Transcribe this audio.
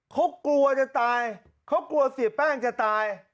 เขากลัวจะตายเขากลัวเสียแป้งจะตาย